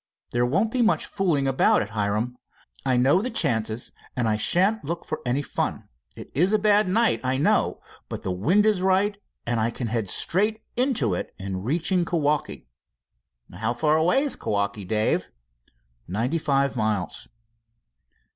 "There won't be much fooling about it, Hiram. I know the chances and, I shan't look for any fun. It is a bad night, I know, but the wind is right, and I can head straight into it in reaching Kewaukee." "How far away is Kewaukee, Dave?" "Ninety five miles."